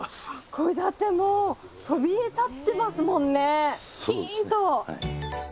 これだってもうそびえ立ってますもんねピーンと！